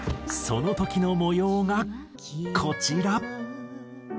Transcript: その時の模様がこちら。